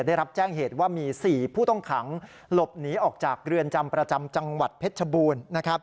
ได้รับแจ้งเหตุว่ามี๔ผู้ต้องขังหลบหนีออกจากเรือนจำประจำจังหวัดเพชรชบูรณ์นะครับ